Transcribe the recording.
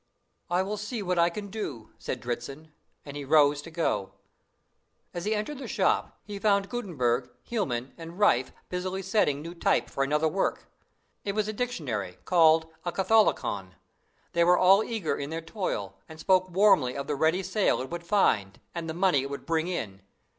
"I will see what I can do," said Dritzhn, and he rose to go. As he entered the shop, he found Gutenberg, Hielman, and Riffe busy setting new type for another work. It was a dictionary, called a "Catholicon." They were all eager in their toil, and spoke warmly of the ready sale it would find, and the money it would bring in.